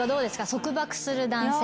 束縛する男性。